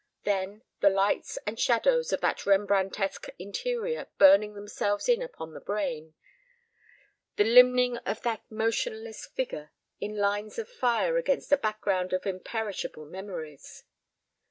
Then, the lights and shadows of that Rembrandtesque interior burning themselves in upon the brain, the limning of that motionless figure in lines of fire against a background of imperishable memories.